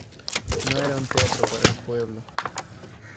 No era un teatro para el pueblo.